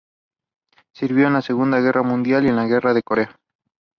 Thirteen managers were in charge on multiple occasions.